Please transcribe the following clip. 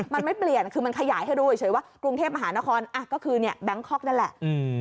มันไม่เปลี่ยนคือมันขยายให้รู้เฉยว่ากรุงเทพมหานครก็คือเนี่ยแบงคอกนั่นแหละ